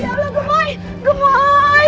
ya allah gemoy